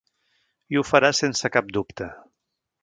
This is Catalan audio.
I ho farà sense cap dubte.